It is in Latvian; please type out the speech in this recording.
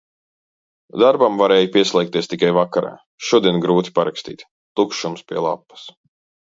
Darbam varēju pieslēgties tikai vakarā. Šodien grūti parakstīt. Tukšums pie lapas.